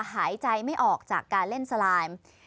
หายใจไม่ออกจากการเล่นสไลม